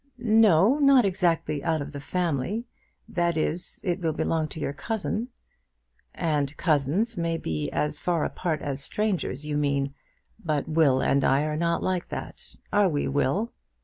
"No; not exactly out of the family. That is, it will belong to your cousin." "And cousins may be as far apart as strangers, you mean; but Will and I are not like that; are we, Will?"